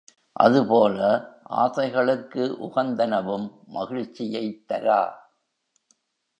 அதுபோல, ஆசைகளுக்கு உகந்தனவும் மகிழ்ச்சியைத் தரா.